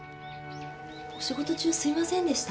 お仕事中すいませんでした。